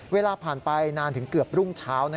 เวลาผ่านไปนานถึงเกือบรุ่งเช้า